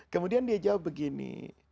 kemudian dia jawab begini